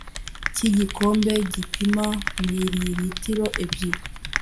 cy'igikombe gipima miliritiro ebyiri